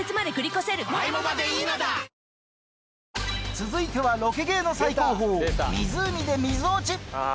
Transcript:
続いてはロケ芸の最高峰湖で水落ち！